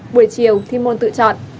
buổi chiều thi môn tự chọn